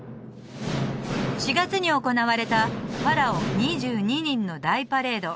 ４月に行われたファラオ２２人の大パレード